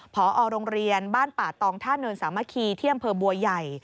พอโรงเรียนบ้านป่าตองท่าเนินสามัคคีที่อำเภอบัวใหญ่